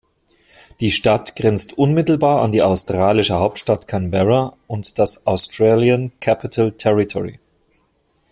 Die Stadt grenzt unmittelbar an die australische Hauptstadt Canberra und das Australian Capital Territory.